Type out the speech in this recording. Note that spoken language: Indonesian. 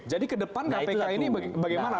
jadi ke depan kpk ini bagaimana